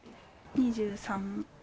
２３。